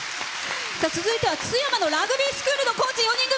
続いては津山のラグビースクールのコーチ４人組。